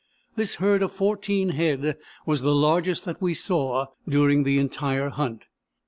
This herd of fourteen head was the largest that we saw during the entire hunt.